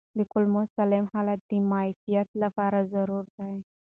د کولمو سالم حالت د معافیت لپاره ضروري دی.